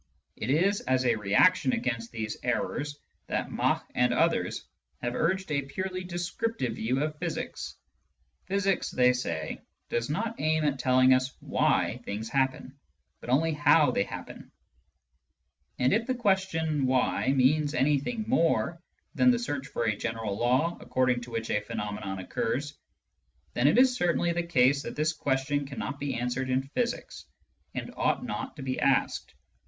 It is as a reaction against Digitized by Google 224 SCIENTIFIC METHOD IN PHILOSOPHY these errors that Mach and others have urged a purely " descriptive *' view of physics : physics, they say, does not aim at telling us "why" things happen, but only " how " they happen. And if the question " why ?" means anything more than the search for a general law according to which a phenomenon occurs, then it is certainly the case that this question cannot be answered in physics and ought not to be asked.